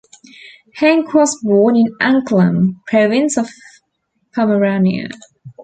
Henk was born in Anklam, Province of Pomerania.